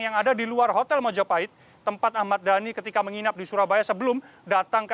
yang ada di luar hotel majapahit tempat ahmad dhani ketika menginap di surabaya sebelum datang ke